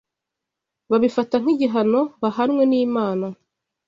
babifata nk’igihano bahanwe n’Imana.